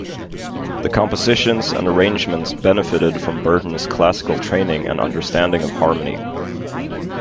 The compositions and arrangements benefited from Burton's classical training and understanding of harmony.